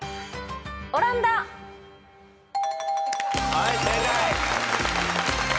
はい正解。